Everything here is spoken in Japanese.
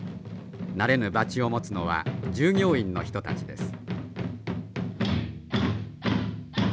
慣れぬバチを持つのは従業員の人たちです。